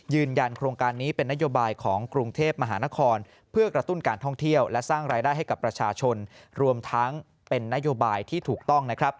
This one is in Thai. ยืนยันโครงการนี้เป็นนโยบายของกรุงเทพมหานครเพื่อกระตุ้นการท่องเที่ยวและสร้างรายได้ให้กับประชาชนรวมทั้งเป็นนโยบายที่ถูกต้องนะครับ